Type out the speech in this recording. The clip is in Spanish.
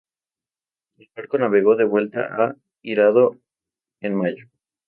El barco navegó de vuelta a Hirado en mayo.